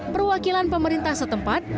perwakilan pemerintah setempat